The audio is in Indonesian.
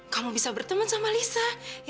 kamu bisa berteman sama lisa